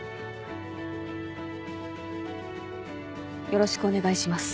よろしくお願いします。